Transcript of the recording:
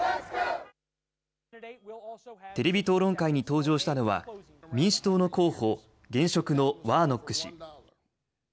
テレビ討論会に登場したのは民主党の候補、現職のワーノック氏。